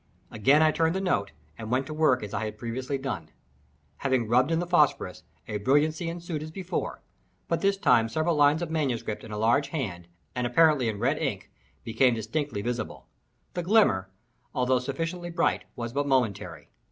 Again I turned the note, and went to work as I had previously done. Having rubbed in the phosphorus, a brilliancy ensued as before—but this time several lines of MS. in a large hand, and apparently in red ink, became distinctly visible. The glimmer, although sufficiently bright, was but momentary.